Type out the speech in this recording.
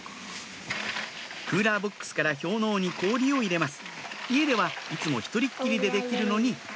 クーラーボックスから氷のうに氷を入れます